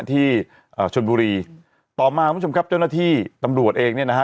อ่าชนบุรีต่อมาคุณผู้ชมครับเจ้าหน้าที่ตำรวจเองเนี่ยนะฮะ